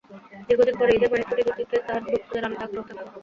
দীর্ঘদিন পর ঈদে মাহির ছবি দুটিতে তাঁর ভক্তদের আলাদা আগ্রহ থাকবে।